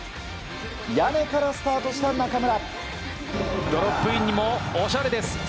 屋根からスタートした中村。